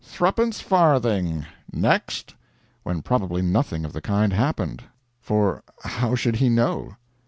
threpence farthing next!" when probably nothing of the kind happened; for how should he know?